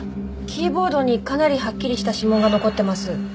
キーボードにかなりはっきりした指紋が残ってます。